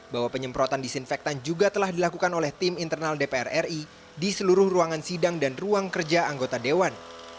bahwa penyemprotan disinfektan juga telah dilakukan oleh tim internal dpr ri di seluruh ruangan sidang dan ruang kerja anggota dewan